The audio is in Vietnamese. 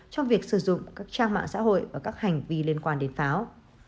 trong việc sử dụng các trang mạng xã hội và các hành vi liên quan đến pháo